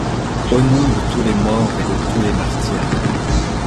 Au nom de tous les morts et de tous les martyrs